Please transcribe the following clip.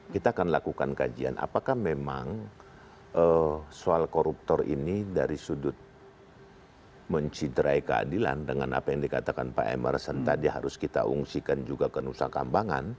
kita akan lakukan kajian apakah memang soal koruptor ini dari sudut mencidrai keadilan dengan apa yang dikatakan pak emerson tadi harus kita ungsikan juga ke nusa kambangan